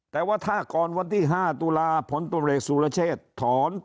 แต่ว่าถ้าก่อนวันที่๕ตุลาฯผลตนเหล็กสุรเชษฐ์